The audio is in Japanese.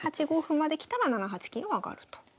８五歩まできたら７八金を上がると。